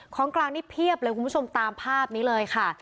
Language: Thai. ของกลางนี่เพียบเลยคุณผู้ชมตามภาพนี้เลยค่ะ